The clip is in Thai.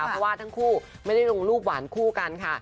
เพราะว่าทั้งคู่ไม่ได้ลงรูปหวานคู่กันค่ะ